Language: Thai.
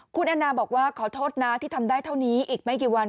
คุณแอนนาบอกว่าขอโทษนะที่ทำได้เท่านี้อีกไม่กี่วัน